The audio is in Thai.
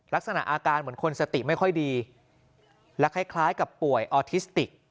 ลักษณะอาการเหมือนคนสติไม่ค่อยดีและคล้ายกับป่วยออทิสติก